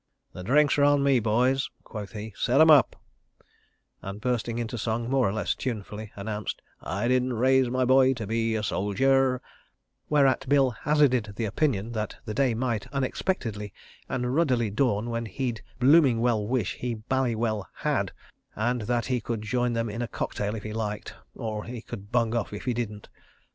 "The drinks are on me, boys," quoth he. "Set 'em up," and bursting into song, more or less tunefully, announced— "I didn't raise my boy to be a soldier," whereat Bill hazarded the opinion that the day might unexpectedly and ruddily dawn when he'd blooming well wish he bally well had, and that he could join them in a cocktail if he liked—or he could bung off if he didn't.